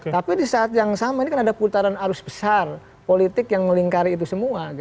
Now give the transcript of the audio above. tapi di saat yang sama ini kan ada putaran arus besar politik yang melingkari itu semua